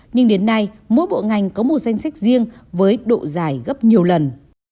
nhưng đến nay mỗi bộ ngành có một danh sách riêng với độ dài gấp nhiều lần